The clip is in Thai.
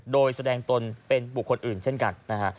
โดยแสดงตนเป็นบุคคลอื่นเช่นกันนะฮะ